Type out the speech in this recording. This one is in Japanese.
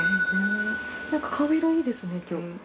顔色いいですね今日。